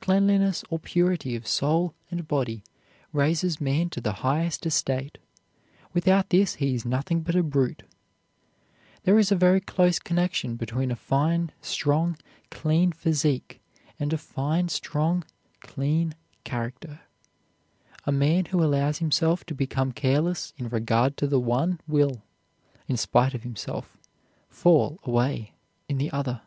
Cleanliness or purity of soul and body raises man to the highest estate. Without this he is nothing but a brute. There is a very close connection between a fine, strong, clean physique and a fine, strong, clean character. A man who allows himself to become careless in regard to the one will, in spite of himself, fall away in the other.